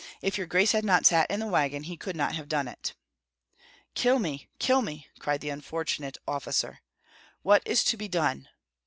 If your grace had not sat in the wagon, he could not have done it." "Kill me, kill me!" cried the unfortunate officer. "What is to be done?"